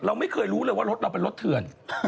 ไม่เคยรู้เลยว่ารถเราเป็นรถเถื่อน